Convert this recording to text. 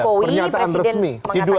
ada pernyataan dari presiden jokowi